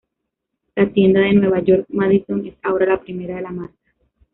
La tienda de Nueva York-Madison es ahora la primera de la marca.